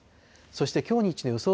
そしてきょう日中の予想